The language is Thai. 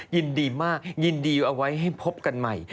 ยินดีมากยินดีเอาไว้ให้พบกันใหม่